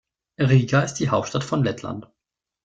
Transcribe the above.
Riga ist die Hauptstadt von Lettland.